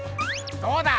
どうだ！